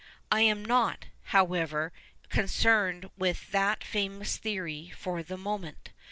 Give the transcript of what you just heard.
I am not, however, concerned with that famous theory for the moment.